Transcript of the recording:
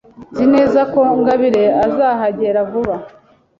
Nzi neza ko Ngabire azahagera vuba.